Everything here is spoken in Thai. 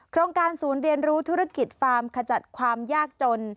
โครงการศูนย์เรียนรู้ธุรกิจฟาร์มขจัดความยากจน